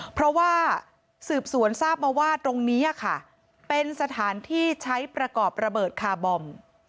เพราะว่าสืบสวนทราบมาว่าตรงนี้ค่ะเป็นสถานที่ใช้ประกอบระเบิดคาร์บอม